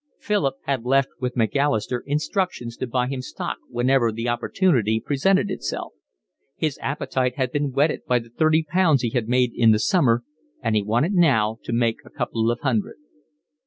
Philip had left with Macalister instructions to buy him stock whenever the opportunity presented itself. His appetite had been whetted by the thirty pounds he had made in the summer, and he wanted now to make a couple of hundred.